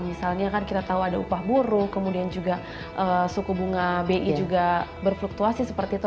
misalnya kan kita tahu ada upah buruh kemudian juga suku bunga bi juga berfluktuasi seperti itu